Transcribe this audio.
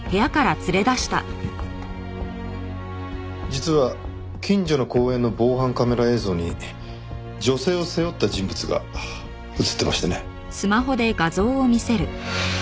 実は近所の公園の防犯カメラ映像に女性を背負った人物が映ってましてね。